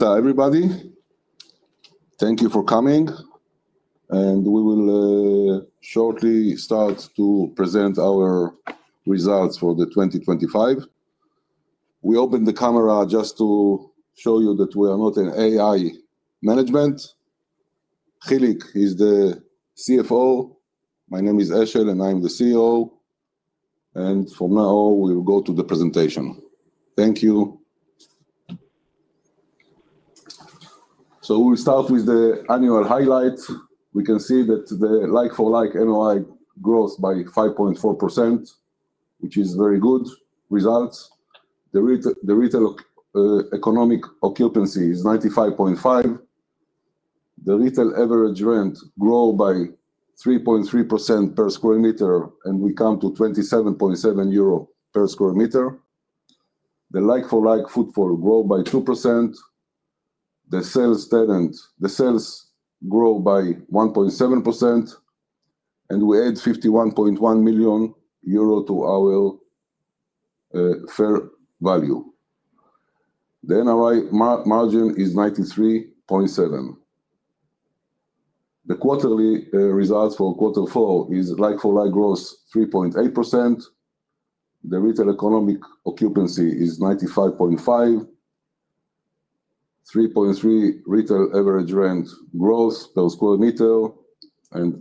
Hi, everybody. Thank you for coming, and we will shortly start to present our results for 2025. We opened the camera just to show you that we are not an AI management. Hilik is the CFO. My name is Eshel, and I'm the CEO, and from now, we will go to the presentation. Thank you. We will start with the annual highlights. We can see that the like-for-like NOI grows by 5.4%, which is very good results. The retail economic occupancy is 95.5%. The retail average rent grow by 3.3% per square meter, and we come to 27.7 euro per square meter. The like-for-like footfall grow by 2%. The sales grow by 1.7%, and we add 51.1 million euro to our fair value. The NOI margin is 93.7%. The quarterly results for quarter four is like-for-like growth, 3.8%. The retail economic occupancy is 95.5%. 3.3% retail average rent growth per square meter,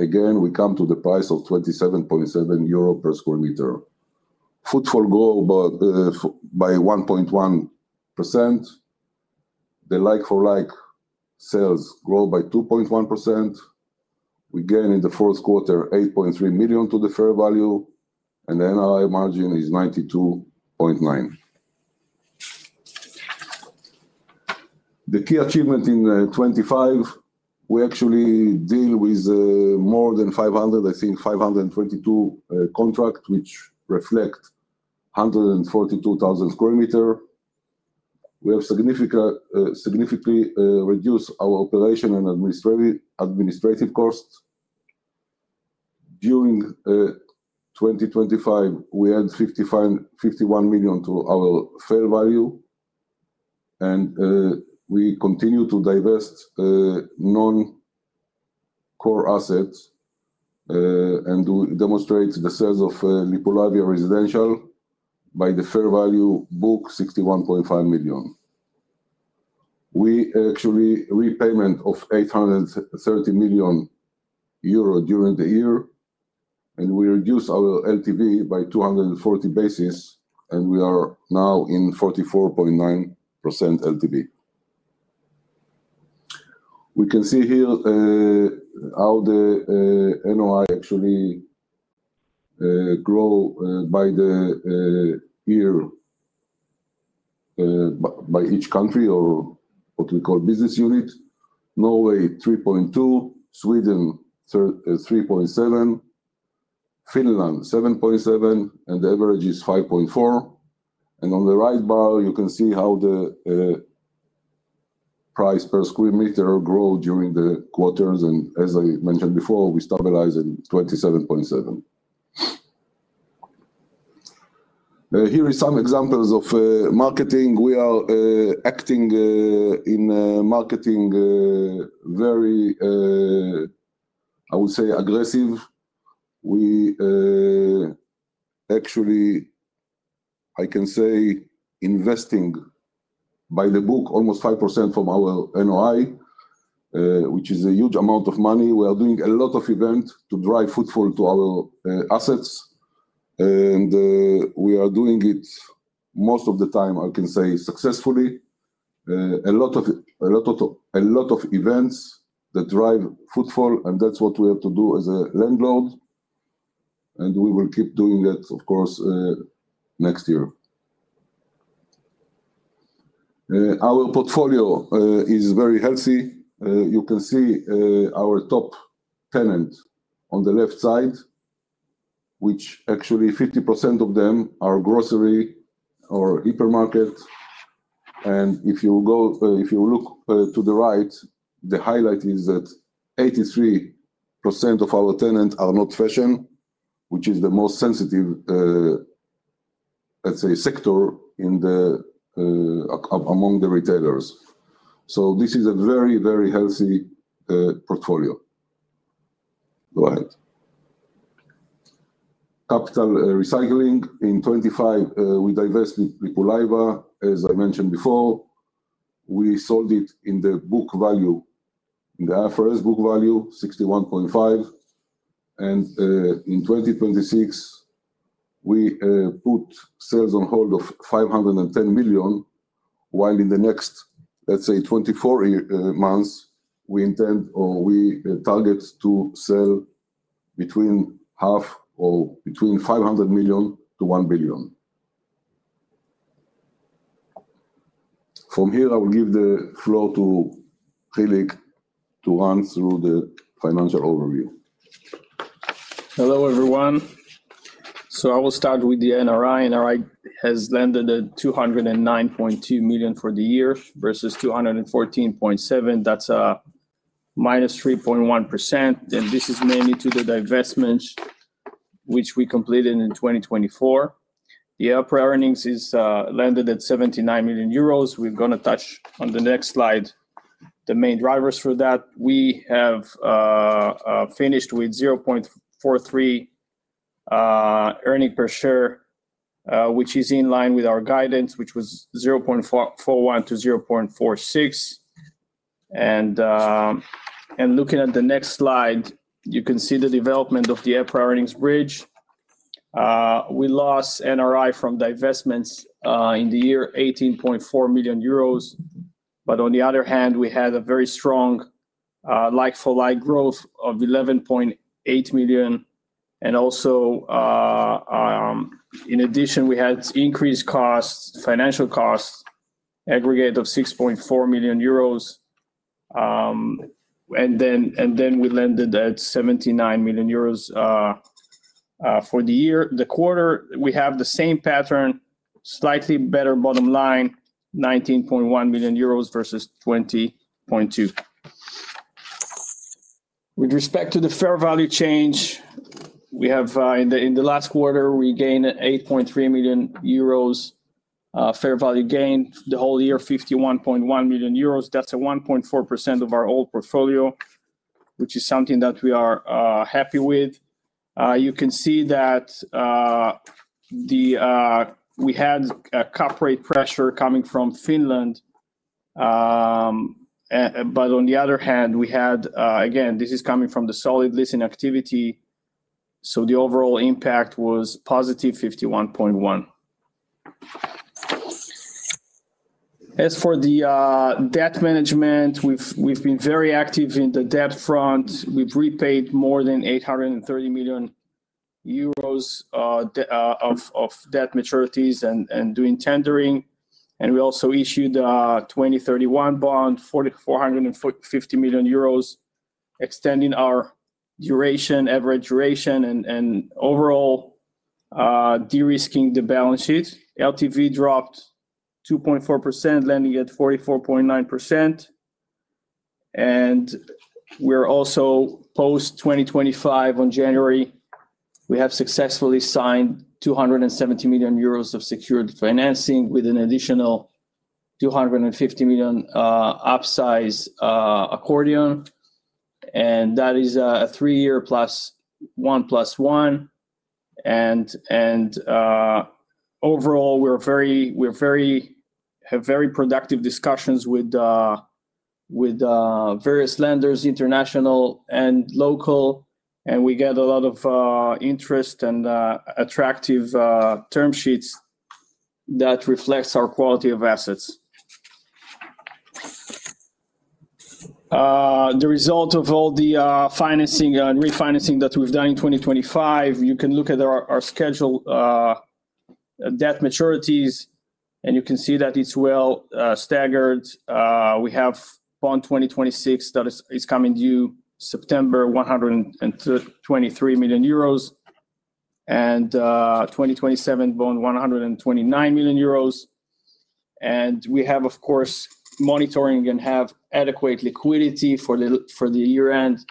again, we come to the price of 27.7 euro per square meter. Footfall grow by 1.1%. The like-for-like sales grow by 2.1%. We gain in the fourth quarter, 8.3 million to the fair value, the NOI margin is 92.9%. The key achievement in 2025, we actually deal with more than 500, I think, 522 contract, which reflect 142,000 square meter. We have significant, significantly reduced our operation and administrative costs. During 2025, we add 55.51 million to our fair value. We continue to divest non-core assets, to demonstrate the sales of Lippulaiva residential by the fair value book, 61.5 million. We actually repayment of 830 million euro during the year. We reduce our LTV by 240 basis. We are now in 44.9% LTV. We can see here how the NOI actually grow by the year, by each country or what we call business unit. Norway, 3.2%; Sweden, 3.7%; Finland, 7.7%. The average is 5.4%. On the right bar, you can see how the price per square meter grow during the quarters, and as I mentioned before, we stabilize at 27.7. Here is some examples of marketing. We are acting in marketing very, I would say, aggressive. We actually, I can say, investing by the book, almost 5% from our NOI, which is a huge amount of money. We are doing a lot of event to drive footfall to our assets, and we are doing it most of the time, I can say, successfully. A lot of events that drive footfall, and that's what we have to do as a landlord, and we will keep doing that, of course, next year. Our portfolio is very healthy. You can see our top tenant on the left side, which actually 50% of them are grocery or hypermarket. If you go, if you look to the right, the highlight is that 83% of our tenants are not fashion, which is the most sensitive, let's say, sector among the retailers. This is a very, very healthy portfolio. Go ahead. Capital recycling in 2025, we divested Lippulaiva, as I mentioned before. We sold it in the book value, in the IFRS book value, 61.5 million, in 2026, we put sales on hold of 510 million, while in the next, let's say, 24 months, we intend, or we target to sell between half or between 500 million to 1 billion. From here, I will give the floor to Hilik to run through the financial overview. Hello, everyone. I will start with the NRI. NRI has landed at 209.2 million for the year versus 214.7. That's minus 3.1%, and this is mainly to the divestments which we completed in 2024. The EBITDA earnings is landed at 79 million euros. We're gonna touch on the next slide, the main drivers for that. We have finished with 0.43 earning per share, which is in line with our guidance, which was 0.441 to 0.46. Looking at the next slide, you can see the development of the EBITDA earnings bridge. We lost NRI from divestments in the year 18.4 million euros. On the other hand, we had a very strong like-for-like growth of 11.8 million. In addition, we had increased costs, financial costs, aggregate of 6.4 million euros. We landed at 79 million euros for the year. The quarter, we have the same pattern, slightly better bottom line, 19.1 million euros versus 20.2 million. With respect to the fair value change, we have in the last quarter, we gained 8.3 million euros fair value gain. The whole year, 51.1 million euros. That's a 1.4% of our old portfolio, which is something that we are happy with. You can see that we had a cap rate pressure coming from Finland. On the other hand, we had, again, this is coming from the solid leasing activity, so the overall impact was +51.1. As for the debt management, we've been very active in the debt front. We've repaid more than 830 million euros of debt maturities and doing tendering. We also issued a 2031 bond, 450 million euros, extending our duration, average duration, and overall de-risking the balance sheet. LTV dropped 2.4%, landing at 44.9%. We're also post-2025. On January, we have successfully signed 270 million euros of secured financing with an additional 250 million upsize accordion, that is a 3-year+ 1+1. Overall, we're very productive discussions with various lenders, international and local, and we get a lot of interest and attractive term sheets that reflects our quality of assets. The result of all the financing and refinancing that we've done in 2025, you can look at our schedule debt maturities, and you can see that it's well staggered. We have bond 2026, that is coming due September, 123 million euros, and 2027, bond 129 million euros. We have, of course, monitoring and have adequate liquidity for the year-end.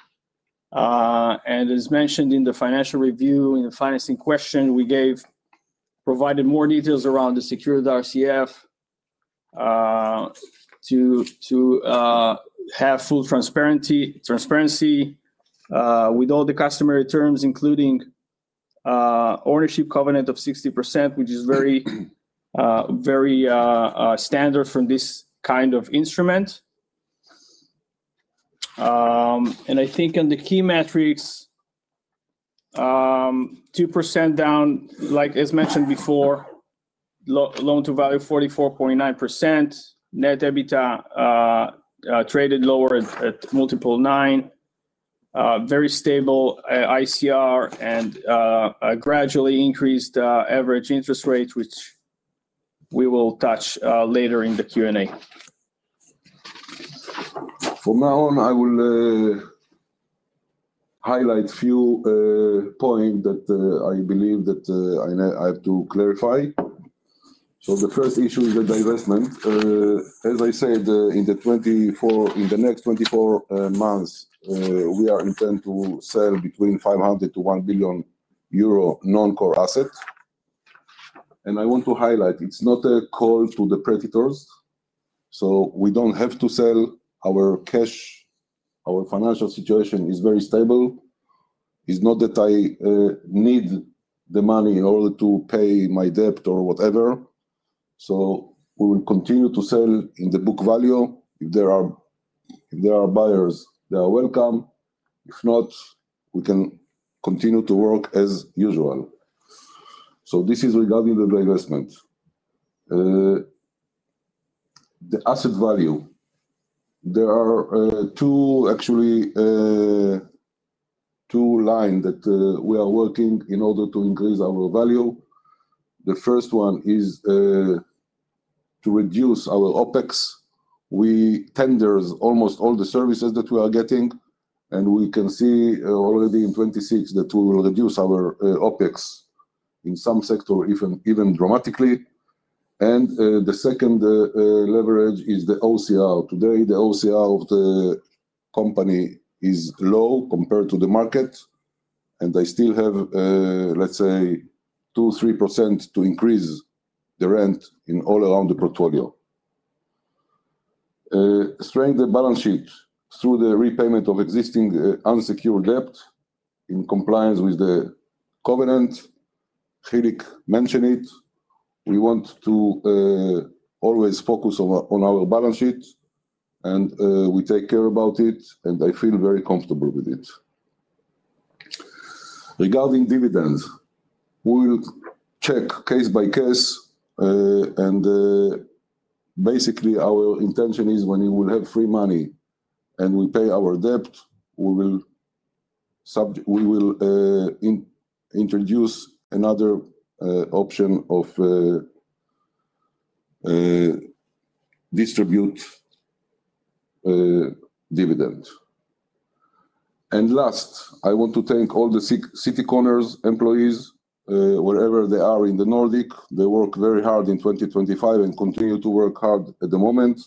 As mentioned in the financial review, in the financing question, we gave... provided more details around the secured RCF, to have full transparency with all the customary terms, including ownership covenant of 60%, which is very standard from this kind of instrument. I think in the key metrics, 2% down, like as mentioned before, loan to value, 44.9%. Net EBITDA traded lower at multiple 9. Very stable ICR, a gradually increased average interest rate, which we will touch later in the Q&A. From my own, I will highlight few point that I believe that, and I have to clarify. The first issue is the divestment. As I said, in the next 24 months, we are intent to sell between 500 million to 1 billion euro non-core assets. I want to highlight, it's not a call to the predators, so we don't have to sell our cash. Our financial situation is very stable. It's not that I need the money in order to pay my debt or whatever. We will continue to sell in the book value. If there are buyers, they are welcome. If not, we can continue to work as usual. This is regarding the divestment. The asset value. There are, two, actually, two line that we are working in order to increase our value. The first one is to reduce our OpEx. We tender almost all the services that we are getting, and we can see already in 2026 that we will reduce our OpEx in some sector, even dramatically. The second leverage is the OCL. Today, the OCL of the company is low compared to the market, and I still have, let's say, 2%, 3% to increase the rent in all around the portfolio. Strengthen the balance sheet through the repayment of existing unsecured debt in compliance with the covenant. Hilik mentioned it. We want to always focus on our balance sheet, and we take care about it, and I feel very comfortable with it. Regarding dividends, we will check case by case, basically, our intention is when we will have free money and we pay our debt, we will introduce another option of distribute dividend. Last, I want to thank all the Citycon employees, wherever they are in the Nordic. They work very hard in 2025 and continue to work hard at the moment.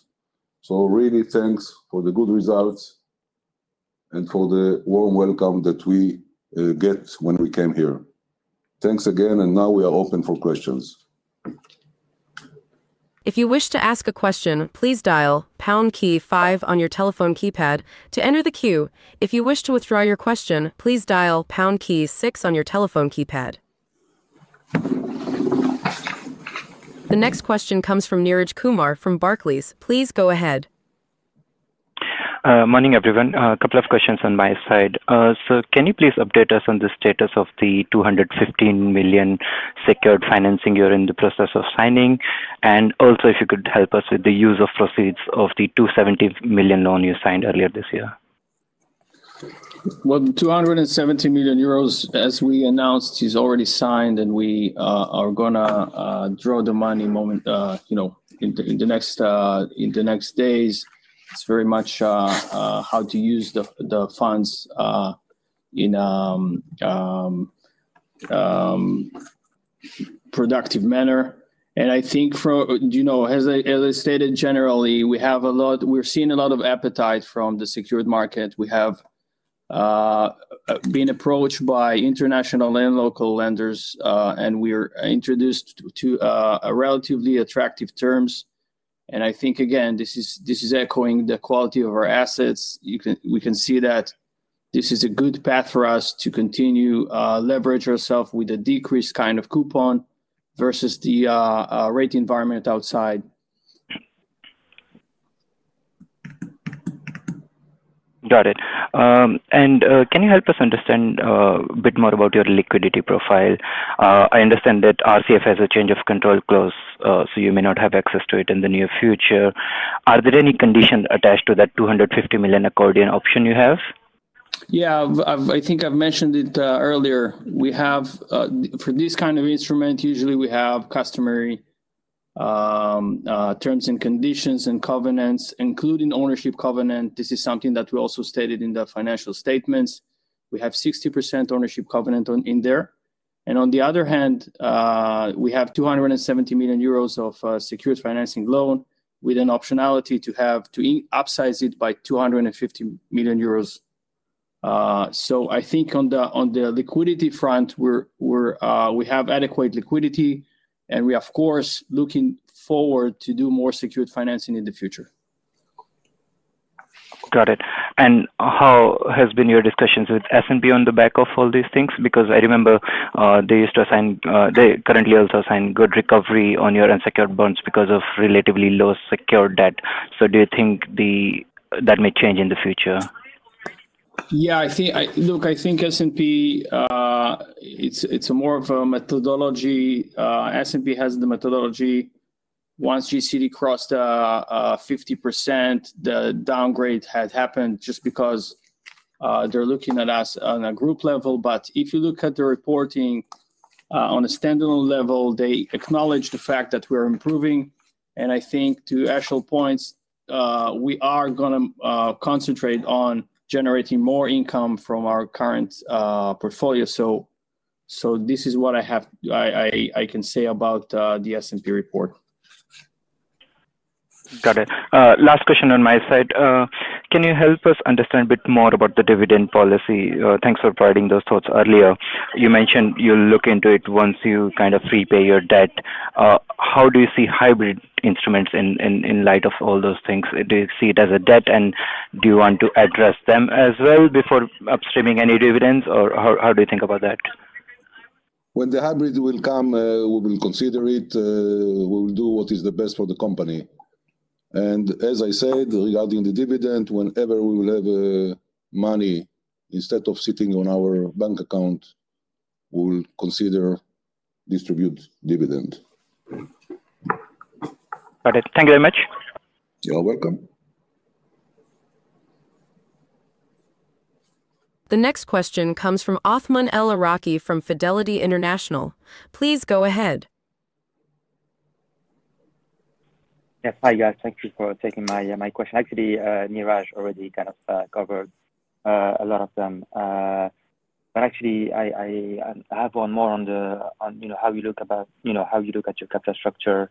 Really thanks for the good results and for the warm welcome that we get when we came here. Thanks again, now we are open for questions. If you wish to ask a question, please dial pound key five on your telephone keypad to enter the queue. If you wish to withdraw your question, please dial pound key six on your telephone keypad. The next question comes from Neeraj Kumar from Barclays. Please go ahead. Morning, everyone. A couple of questions on my side. Can you please update us on the status of the 215 million secured financing you're in the process of signing? If you could help us with the use of proceeds of the 270 million loan you signed earlier this year. Well, 270 million euros, as we announced, is already signed, and we are gonna draw the money moment, you know, in the next days. It's very much how to use the funds in productive manner. I think, you know, as I, as I stated, generally, we're seeing a lot of appetite from the secured market. We have been approached by international and local lenders, and we are introduced to a relatively attractive terms. I think, again, this is echoing the quality of our assets. We can see that this is a good path for us to continue leverage ourself with a decreased kind of coupon versus the rate environment outside. Got it. Can you help us understand a bit more about your liquidity profile? I understand that RCF has a change of control clause, so you may not have access to it in the near future. Are there any conditions attached to that 250 million accordion option you have? Yeah. I think I've mentioned it earlier. We have for this kind of instrument, usually we have customary terms and conditions and covenants, including ownership covenant. This is something that we also stated in the financial statements. We have 60% ownership covenant in there. On the other hand, we have 270 million euros of secured financing loan with an optionality to upsize it by 250 million euros. I think on the liquidity front, we have adequate liquidity, and we, of course, looking forward to do more secured financing in the future. Got it. How has been your discussions with S&P on the back of all these things? Because I remember, they used to assign, they currently also assign good recovery on your unsecured bonds because of relatively low secured debt. Do you think the, that may change in the future? Look, I think S&P, it's more of a methodology. S&P has the methodology. Once GCD crossed, 50%, the downgrade had happened just because they're looking at us on a group level. If you look at the reporting, on a standalone level, they acknowledge the fact that we're improving. I think to actual points, we are gonna concentrate on generating more income from our current portfolio. This is what I have, I can say about the S&P report. Got it. Last question on my side. Can you help us understand a bit more about the dividend policy? Thanks for providing those thoughts earlier. You mentioned you'll look into it once you kind of prepay your debt. How do you see hybrid instruments in light of all those things? Do you see it as a debt, and do you want to address them as well before upstreaming any dividends, or how do you think about that? When the hybrid will come, we will consider it. We will do what is the best for the company. As I said, regarding the dividend, whenever we will have money, instead of sitting on our bank account, we will consider distribute dividend. Okay. Thank you very much. You're welcome. The next question comes from Othman El Iraki, from Fidelity International. Please go ahead. Yes. Hi, guys. Thank you for taking my question. Actually, Neeraj already kind of covered a lot of them. Actually, I have one more on the, you know, how you look about, you know, how you look at your capital structure,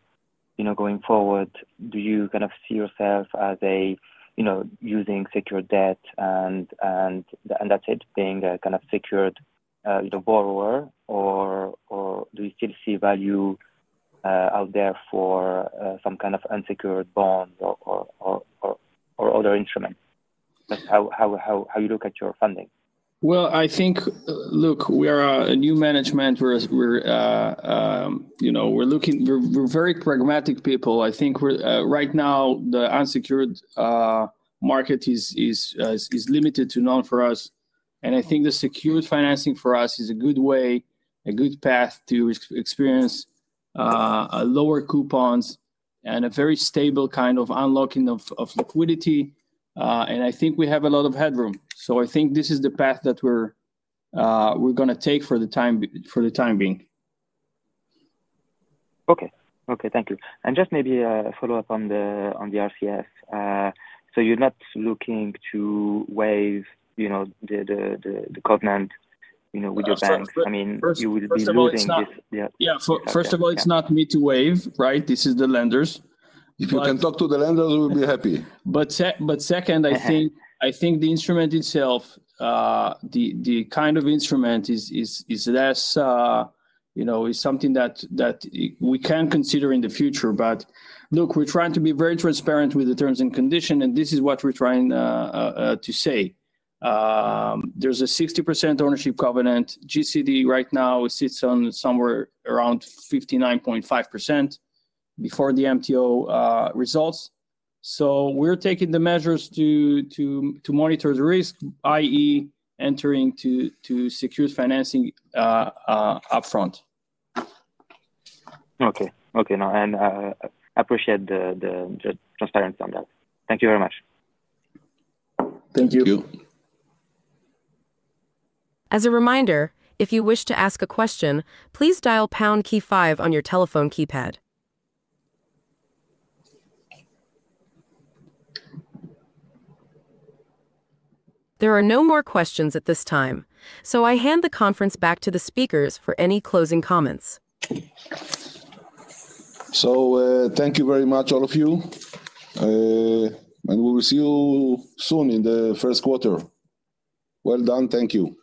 you know, going forward. Do you kind of see yourself as a, you know, using secured debt and that's it, being a kind of secured, you know, borrower? Or do you still see value out there for some kind of unsecured bonds or other instruments? Like, how you look at your funding? Well, I think. Look, we are a new management. We're, you know, very pragmatic people. I think we're right now, the unsecured market is limited to none for us. I think the secured financing for us is a good way, a good path to experience a lower coupons and a very stable kind of unlocking of liquidity. I think we have a lot of headroom. I think this is the path that we're gonna take for the time being. Okay. Okay, thank you. Just maybe a follow-up on the RCF, you're not looking to waive, you know, the covenant, you know, with your banks? So, first- I mean, you will be losing this-. First of all, it's not... Yeah. Yeah. First of all, it's not me to waive, right? This is the lenders. If you can talk to the lenders, we'll be happy. Second, I think Uh-huh I think the instrument itself, the kind of instrument is less, you know, is something that we can consider in the future. Look, we're trying to be very transparent with the terms and conditions, and this is what we're trying to say. There's a 60% ownership covenant. GCD right now sits on somewhere around 59.5%, before the MTO results. We're taking the measures to monitor the risk, i.e., entering to secure financing upfront. Okay. Okay, now, I appreciate the transparency on that. Thank you very much. Thank you. Thank you. As a reminder, if you wish to ask a question, please dial pound key five on your telephone keypad. There are no more questions at this time. I hand the conference back to the speakers for any closing comments. Thank you very much, all of you. We will see you soon in the first quarter. Well done. Thank you. Bye.